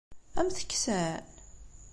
Ad am-t-kksen?